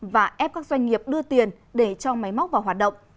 và ép các doanh nghiệp đưa tiền để cho máy móc vào hoạt động